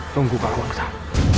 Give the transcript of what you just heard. tunggukah aku kusam